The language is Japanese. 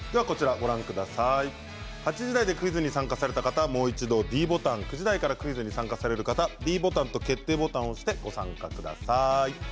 ８時台でクイズに参加された方はもう一度ｄボタン９時台からクイズに参加される方はｄボタンと決定ボタンを押してご参加ください。